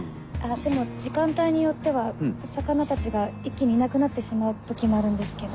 でも時間帯によっては魚たちが一気にいなくなってしまう時もあるんですけど。